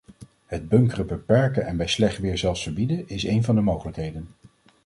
Het bunkeren beperken en bij slecht weer zelfs verbieden, is een van de mogelijkheden.